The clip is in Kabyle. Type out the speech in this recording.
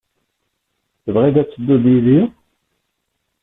Tebɣiḍ ad tedduḍ yid-i?